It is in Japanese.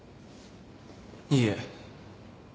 いいえ。